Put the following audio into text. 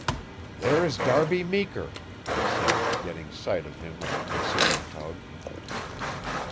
"There is Darby Meeker," I said, getting sight of him on the pursuing tug.